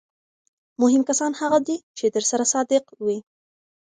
مهم کسان هغه دي چې درسره صادق وي.